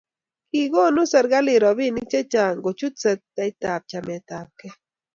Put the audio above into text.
kikonu serikalit robinik che chang' kuchut sektaita chametabgei